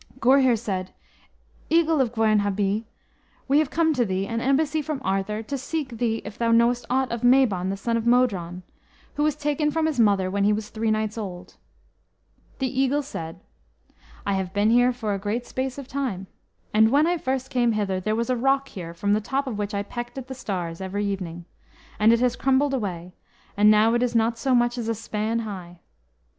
Gurhyr said, "Eagle of Gwern Abwy, we have come to thee, an embassy from Arthur, to ask thee if thou knowest aught of Mabon, the son of Modron, who was taken from his mother when he was three nights old?" The Eagle said, "I have been here for a great space of time, and when I first came hither, there was a rock here from the top of which I pecked at the stars every evening; and it has crumbled away, and now it is not so much as a span high.